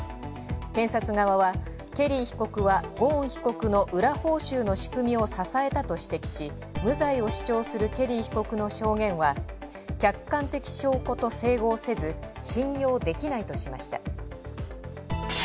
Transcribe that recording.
検察側は「ケリー被告はゴーン被告の裏報酬の仕組みを支えた」と指摘し、無罪を主張するケリー被告の証言は客観的証拠と整合せず、信用できないとしました。